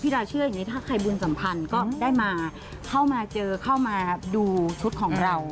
ดาเชื่ออย่างนี้ถ้าใครบุญสัมพันธ์ก็ได้มาเข้ามาเจอเข้ามาดูชุดของเรา